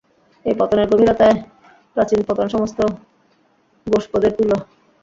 এ পতনের গভীরতায় প্রাচীন পতন-সমস্ত গোষ্পদের তুল্য।